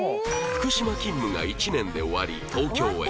福島勤務が１年で終わり東京へ